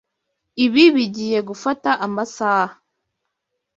Ibi bigiye gufata amasaha.